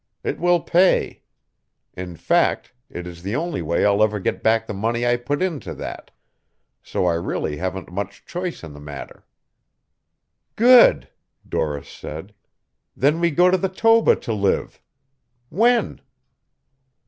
It will pay. In fact, it is the only way I'll ever get back the money I put into that, so I really haven't much choice in the matter." "Good!" Doris said. "Then we go to the Toba to live. When?"